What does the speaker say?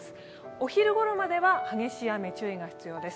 お昼ごろまでは激しい雨、注意が必要です。